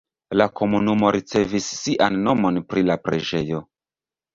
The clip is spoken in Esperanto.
La komunumo ricevis sian nomon pri la preĝejo.